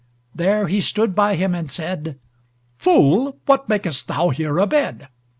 There he stood by him and said: "Fool, what mak'st thou here abed?"